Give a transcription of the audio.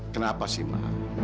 kenapa sih ma